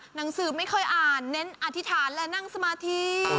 หนังสือไม่เคยอ่านเน้นอธิษฐานและนั่งสมาธิ